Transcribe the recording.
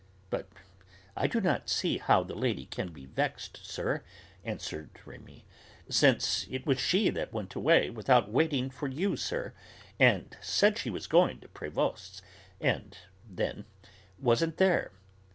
"But I do not see how the lady can be vexed, sir," answered Rémi, "since it was she that went away without waiting for you, sir, and said she was going to Prévost's, and then wasn't there."